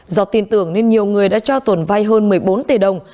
do tin tưởng nên nhiều người đã cho tồn vai hơn một mươi bốn tỷ đồng